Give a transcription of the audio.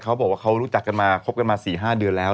เขาบอกว่าเขารู้จักกันมาคบกันมา๔๕เดือนแล้ว